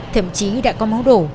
thậm chí đã có máu đổ